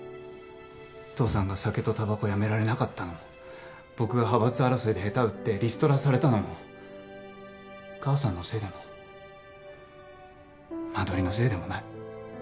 父さんが酒とたばこやめられなかったのも僕が派閥争いで下手打ってリストラされたのも母さんのせいでも間取りのせいでもない。